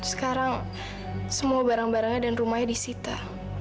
sekarang semua barang barangnya dan rumahnya disita